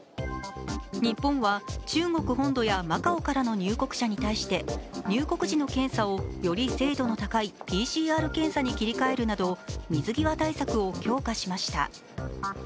日本は中国本土やマカオからの入国者に対して入国時の検査をより精度の高いＰＣＲ検査に切り替えるなど水際対策を強化しました。